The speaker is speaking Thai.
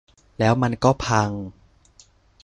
แล้วมันก็พัง